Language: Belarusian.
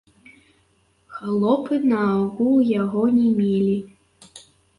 Халопы наогул яго не мелі.